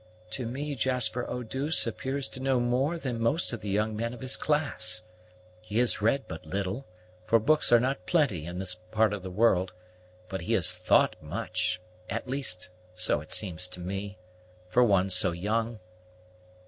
"To me Jasper Eau douce appears to know more than most of the young men of his class. He has read but little, for books are not plenty in this part of the world; but he has thought much, as least so it seems to me, for one so young."